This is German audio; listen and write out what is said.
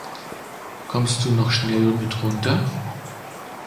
Kommst du noch schnell mit runter?